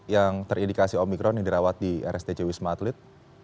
yang terindikasi omikron yang dirawat di rsdc wisma atlet